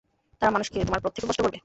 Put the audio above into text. তারা মানুষকে তোমার পথ থেকে ভ্রষ্ট করে।